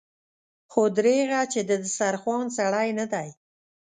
خو دريغه چې د دسترخوان سړی نه دی.